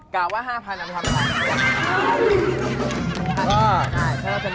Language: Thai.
กลับว่า๕๐๐๐อันนั้นทั้งหมด